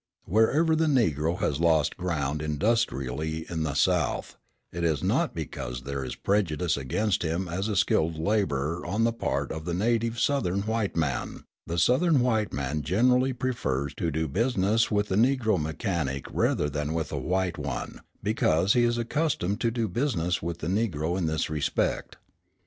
Wherever the Negro has lost ground industrially in the South, it is not because there is prejudice against him as a skilled labourer on the part of the native Southern white man; the Southern white man generally prefers to do business with the Negro mechanic rather than with a white one, because he is accustomed to do business with the Negro in this respect.